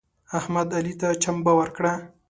احمد علي ته چمبه ورکړه.